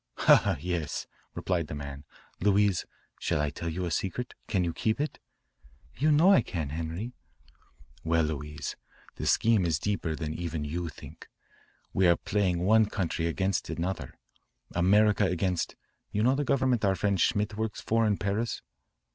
"Ha, ha, yes," replied the man. "Louise, shall I tell you a secret? Can you keep it?" "You know I can, Henri." "Well, Louise, the scheme is deeper than even you think. We are playing one country against another, America against you know the government our friend Schmidt works for in Paris.